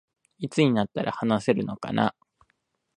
いつになったら話せるのかな